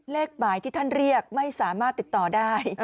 เลขหมายที่ท่านเรียกไม่สามารถติดต่อได้